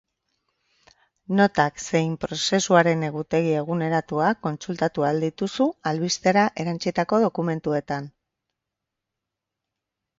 Notak zein prozesuaren egutegi eguneratua kontsultatu ahal dituzu albistera erantsitako dokumentuetan.